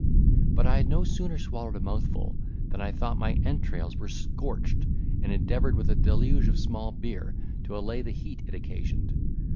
But I had no sooner swallowed a mouthful, than I thought my entrails were scorched, and endeavoured with a deluge of small beer to allay the heat it occasioned.